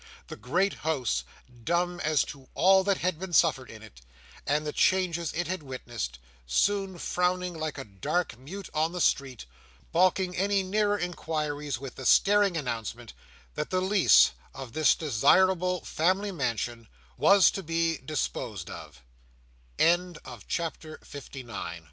The great house, dumb as to all that had been suffered in it, and the changes it had witnessed, stood frowning like a dark mute on the street; baulking any nearer inquiries with the staring announcement that the lease of this desirable Family Mansion was to be disposed of. CHAPTER LX. Chiefl